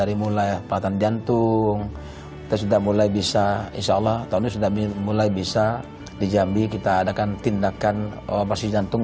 kita sudah mulai bisa insyaallah tahun sudah mulai bisa di jambi kita adakan tindakan operasi jantung